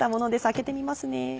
開けてみますね。